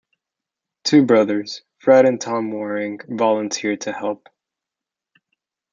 Two Brothers, Fred and Tom Waring, volunteered to help.